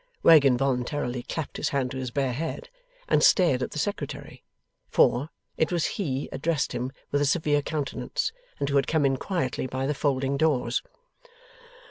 Wegg involuntarily clapped his hand to his bare head, and stared at the Secretary. For, it was he addressed him with a severe countenance, and who had come in quietly by the folding doors.